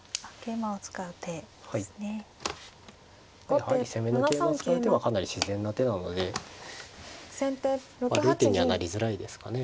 やはり攻めの桂馬を使う手はかなり自然な手なので悪い手にはなりづらいですかね。